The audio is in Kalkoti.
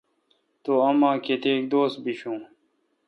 تو امں کیتک دوس بشون۔